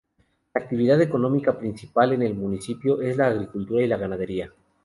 La actividad económica principal en el municipio es la agricultura y la ganadería.